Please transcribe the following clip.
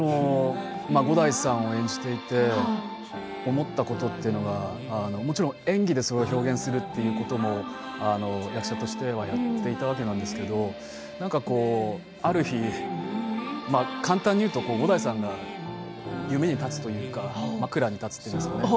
五代さんを演じていて思ったことというのはもちろん演技でそれを表現するということも役者としてはやっていたわけなんですけどある日、簡単に言うと五代さんが夢に立つというか枕に立つというんですかね